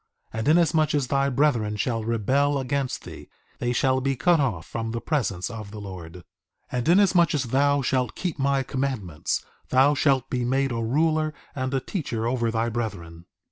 2:21 And inasmuch as thy brethren shall rebel against thee, they shall be cut off from the presence of the Lord. 2:22 And inasmuch as thou shalt keep my commandments, thou shalt be made a ruler and a teacher over thy brethren.